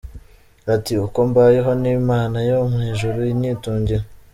Ati “Uko mbayeho ni Imana yo mu ijuru inyitungiye.